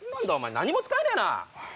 何も使えねえな。